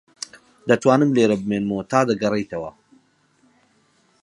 دەتوانم لێرە بمێنمەوە تا دەگەڕێیتەوە.